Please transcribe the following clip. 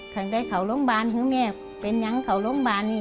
ข้างในข่าวโรงพยาบาลเป็นอย่างข่าวโรงพยาบาล